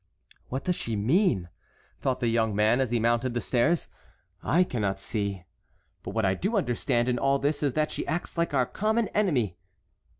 "What does she mean?" thought the young man as he mounted the stairs. "I cannot see. But what I do understand in all this is that she acts like our common enemy.